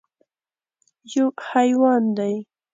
_يو حيوان دی.